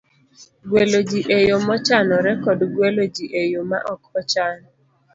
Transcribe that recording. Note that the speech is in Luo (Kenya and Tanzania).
gwelo ji e yo mochanore kod gwelo ji e yo ma ok ochan.